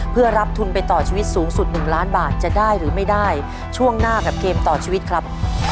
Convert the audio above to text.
เพื่อรับทุนไปต่อชีวิตสูงสุด๑ล้านบาทจะได้หรือไม่ได้ช่วงหน้ากับเกมต่อชีวิตครับ